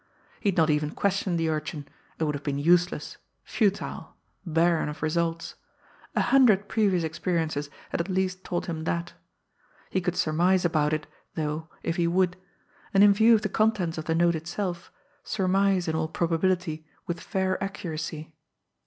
He had not even questioned the urchin it would have been useless, futile, barren of results. A hundred previous experiences had at least taught him that! He could surmise about it, though, if he would; and, in view of the contents of the note itself, surmise, in all probability, with fair accuracy.